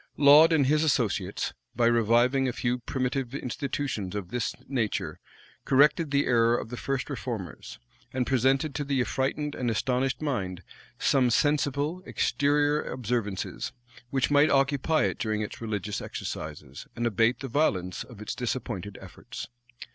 Laud and his associates, by reviving a few primitive institutions of this nature, corrected the error of the first reformers, and presented to the affrightened and astonished mind some sensible, exterior observances, which might occupy it during its religious exercises, and abate the violence of its disappointed efforts.